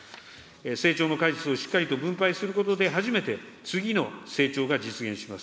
成長の果実をしっかりと分配することで、初めて、次の成長が実現します。